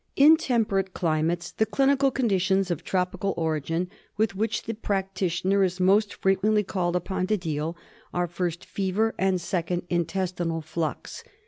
In temperate climates the clinical conditions of tropical origin with which the practitioner is most frequently called upon to deal are, first, fever, and second, intestinal flux.